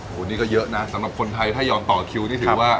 วันนี้ก็เยอะนะสำหรับคนไทยถ้ายอมต่อคิวนี่ถือว่า